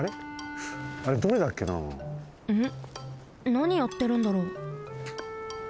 なにやってるんだろう。